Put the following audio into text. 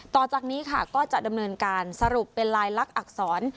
ต่อจากนี้ค่ะก็จะดำเนินการสรุปเป็นลายลักษร